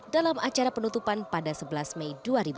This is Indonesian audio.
dalam acara penutupan pada sebelas mei dua ribu dua puluh